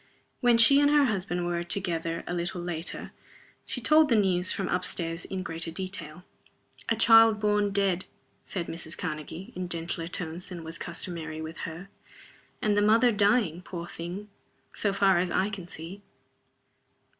When she and her husband were together, a little later, she told the news from up stairs in greater detail. "A child born dead," said Mrs. Karnegie, in gentler tones than were customary with her. "And the mother dying, poor thing, so far as I can see."